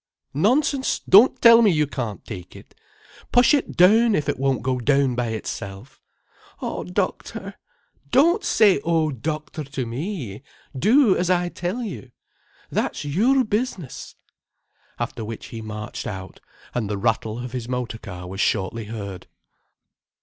Nonsense, don't tell me you can't take it. Push it down if it won't go down by itself—" "Oh doctor—" "Don't say oh doctor to me. Do as I tell you. That's your business." After which he marched out, and the rattle of his motor car was shortly heard.